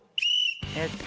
えっと。